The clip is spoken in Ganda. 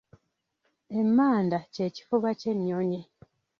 Emmanda kye kifuba ky’ekinyonyi.